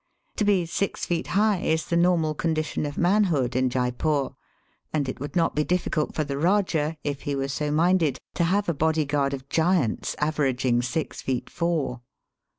To be six feet high is the normal condition of manhood in Jeypore, and it would not be difficult for the Eajah, if he were so minded, to have a body guard of giants averaging six feet four.